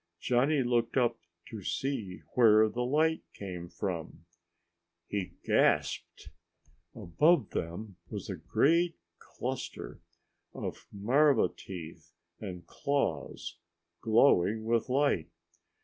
Johnny looked up to see where the light came from. He gasped. Above them was a great cluster of marva teeth and claws, glowing with light.